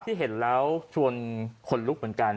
ที่เห็นแล้วชวนขนลุกเหมือนกัน